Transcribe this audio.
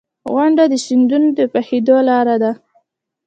• غونډۍ د سیندونو د بهېدو لاره ټاکي.